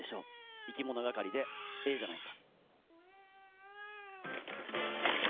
いきものがかりで、ええじゃないか。